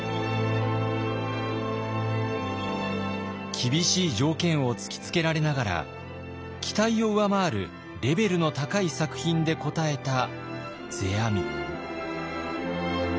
厳しい条件を突きつけられながら期待を上回るレベルの高い作品で応えた世阿弥。